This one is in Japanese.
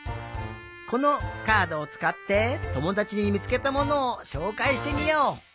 このカードをつかってともだちにみつけたものをしょうかいしてみよう！